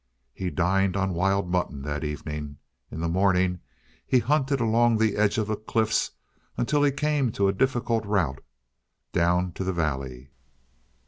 He dined on wild mutton that evening. In the morning he hunted along the edge of the cliffs until he came to a difficult route down to the valley.